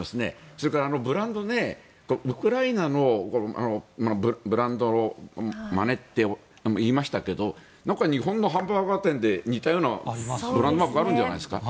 それからブランドウクライナのブランドをまねていましたけれど日本のハンバーガー店で似たようなブランドマークがあるんじゃないですか。